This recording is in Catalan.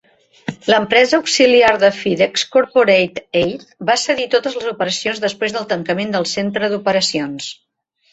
L'empresa auxiliar de FedEx, Corporate Air, va cedir totes les operacions després del tancament del centre d'operacions.